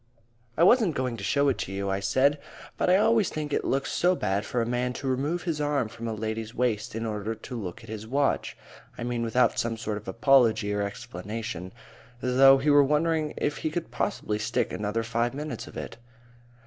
"I wasn't going to show it to you," I said. "But I always think it looks so bad for a man to remove his arm from a lady's waist in order to look at his watch I mean without some sort of apology or explanation. As though he were wondering if he could possibly stick another five minutes of it."